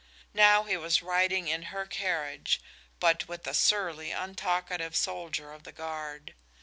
Now he was riding in her carriage, but with a surly, untalkative soldier of the guard.